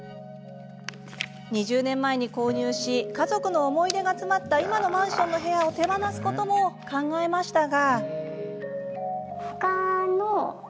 ２０年前に購入し家族の思い出が詰まった今のマンションの部屋を手放すことも考えましたが。